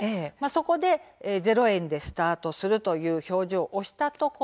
そこで「０円でスタートする」という表示を押したんですね。